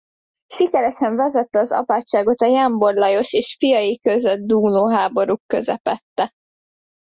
Sikeresen vezette az apátságot a Jámbor Lajos és fiai között dúló háborúk közepette.